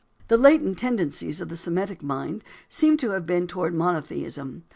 The latent tendencies of the Semitic mind seem to have been towards monotheism.